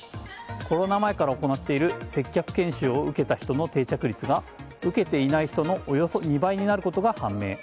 コロナ前から行っている接客研修を受けた人の定着率は、受けていない人のおよそ２倍になることが判明。